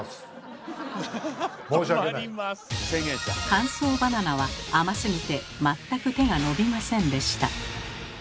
乾燥バナナは甘すぎて全く手が伸びませんでした。